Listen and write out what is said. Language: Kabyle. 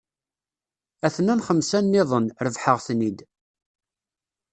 A-ten-an xemsa-nniḍen, rebḥeɣ-ten-id.